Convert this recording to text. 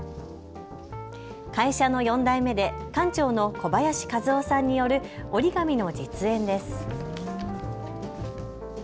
会社の４代目で館長の小林一夫さんによる折り紙の実演です。